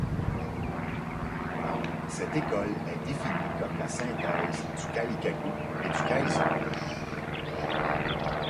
Cette école est définie comme la synthèse du kaikaku et du kaizen.